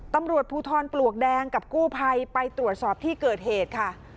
ตำรวจภูทรปลวกแดงกับกู้ภัยไปตรวจสอบที่เกิดเหตุค่ะ